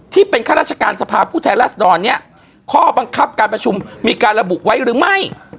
ที่เป็นข้าราชการสภาพฟูทัยละสนอนเนี้ยข้อบังคับการประชุมมีการระบุไว้หรือไม่